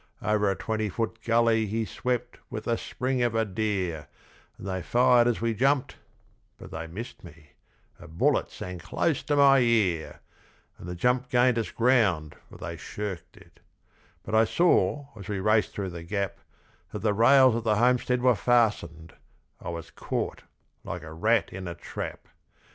Over a twenty foot gully he swept with the spring of a deer And they fired as we jumped, but they missed me a bullet sang close to my ear And the jump gained us ground, for they shirked it: but I saw as we raced through the gap That the rails at the homestead were fastened I was caught like a rat in a trap.